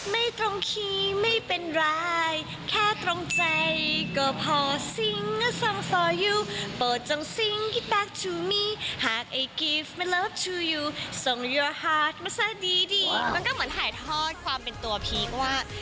มันก็เหมือนหายทอดความเป็นตัวพีคว่า